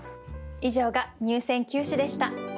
以上が入選九首でした。